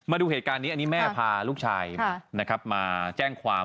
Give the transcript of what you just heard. มาดูเหตุการณ์นี้อันนี้แม่พาลูกชายมาแจ้งความ